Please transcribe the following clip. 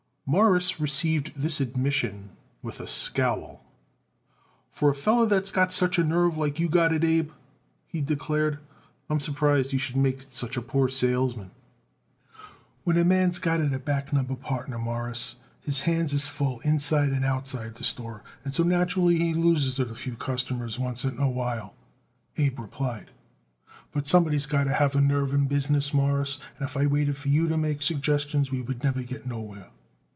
Morris received this admission with a scowl. "For a feller what's got such a nerve like you got it, Abe," he declared, "I am surprised you should make it such a poor salesman." "When a man's got it a back number partner, Mawruss, his hands is full inside and outside the store, and so naturally he loses it a few customers oncet in a while," Abe replied. "But, somebody's got to have nerve in a business, Mawruss, and if I waited for you to make suggestions we would never get nowhere."